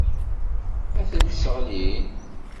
Ad tent-sseɣlin.